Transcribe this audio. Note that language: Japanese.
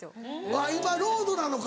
あっ今ロードなのか。